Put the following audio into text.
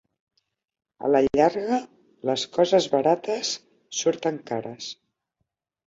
A la llarga, les coses barates surten cares.